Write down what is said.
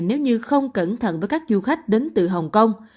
nếu như không cẩn thận với các du khách đến từ hồng kông